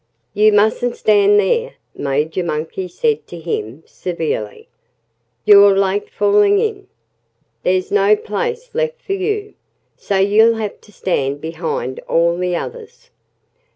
"You mustn't stand there!" Major Monkey said to him severely. "You're late falling in. There's no place left for you. So you'll have to stand behind all the others."